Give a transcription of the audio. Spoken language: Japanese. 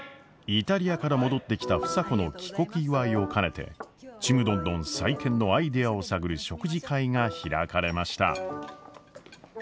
イタリアから戻ってきた房子の帰国祝いを兼ねてちむどんどん再建のアイデアを探る食事会が開かれました。